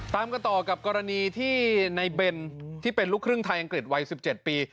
ตามกันต่อกับกรณีที่ในเบนที่เป็นลูกครึ่งไทยอังกฤษวัย๑๗ปี